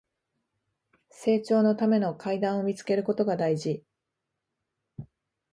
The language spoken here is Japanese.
成長のための階段を見つけることが大事